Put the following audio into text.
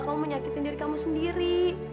kamu menyakitin diri kamu sendiri